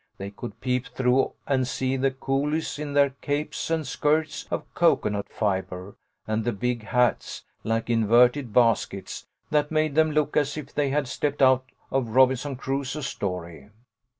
They could peep through and see the coolies in their capes and skirts of cocoa nut fibre, and the big hats, like inverted baskets, that made them look as if they had stepped out of Robinson Crusoe's story.